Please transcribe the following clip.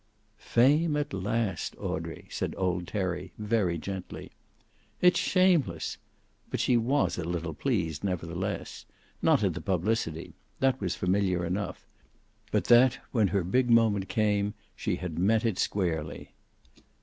"Fame at last, Audrey!" said old Terry, very gently. "It's shameless!" But she was a little pleased, nevertheless. Not at the publicity. That was familiar enough. But that, when her big moment came, she had met it squarely.